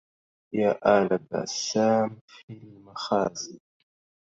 يا آل بسام في المخازي